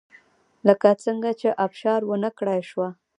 لکه څنګه چې ابشار ونه کړای شوه